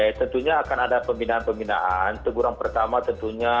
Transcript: eee tentunya akan ada pembinaan pembinaan tegurang pertama tentunya